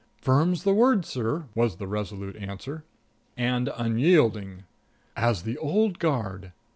"Firm's the word, sir," was the resolute answer. "And unyielding." "As the old guard."